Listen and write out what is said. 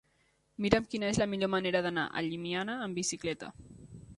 Mira'm quina és la millor manera d'anar a Llimiana amb bicicleta.